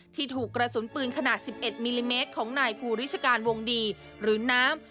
ถูกกระสุนปืนขนาด๑๑มิลลิเมตรของนายภูริชการวงดีหรือน้ำ